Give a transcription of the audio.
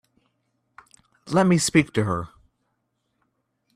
Let me speak to her.